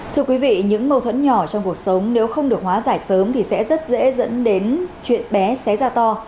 thưa quý vị những mâu thuẫn nhỏ trong cuộc sống nếu không được hóa giải sớm thì sẽ rất dễ dẫn đến chuyện bé xé ra to